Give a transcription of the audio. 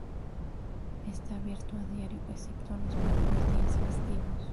Está abierto a diario excepto los mayores días festivos.